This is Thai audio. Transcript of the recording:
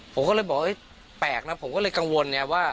ผมก็เลยบอกแปลกนะผมก็เลยกังวลไงว่า